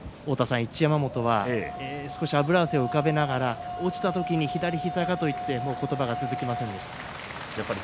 一山本は、あぶら汗を浮かべながら落ちた時に左膝だと言って言葉が続きませんでした。